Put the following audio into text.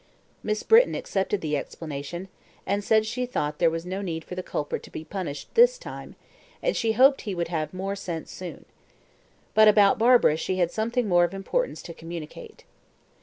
Miss Britton accepted the explanation, and said she thought there was no need for the culprit to be punished this time, and she hoped he would have more sense soon. But about Barbara she had something of more importance to communicate.